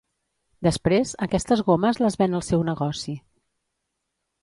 Després aquestes gomes les ven al seu negoci.